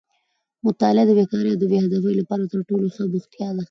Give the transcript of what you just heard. مطالعه د بېکارۍ او بې هدفۍ لپاره تر ټولو ښه بوختیا ده.